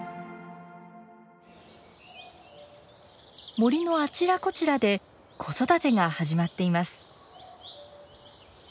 森のあちらこちらで子育てが始まっています。